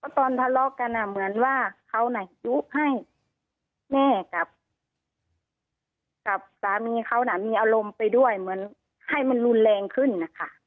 ตอนทะเลาะกันเหมือนว่าเขาน่ะยุให้แม่กับสามีเขาน่ะมีอารมณ์ไปด้วยเหมือนให้มันรุนแรงขึ้นนะคะ